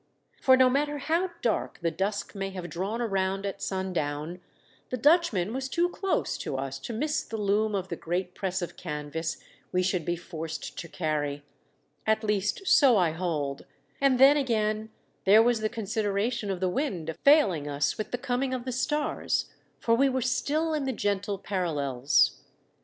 For no matter how dark the dusk may have drawn around at sundown, the Dutchman was too close to us to miss the loom of the great press of canvas we should be forced to carry : at least, so I hold ; and then, again, there was the consideration of the wind failing us with the coming of the stars, for we were still in the gentle parallels.